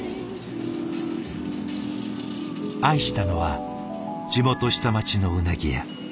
愛したのは地元下町のうなぎ屋。